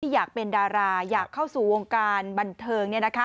อยากเป็นดาราอยากเข้าสู่วงการบันเทิง